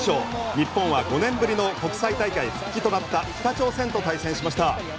日本は５年ぶりの国際大会復帰となった北朝鮮と対戦しました。